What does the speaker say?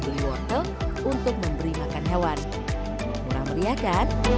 beli wortel untuk memberi makan hewan murah meriahkan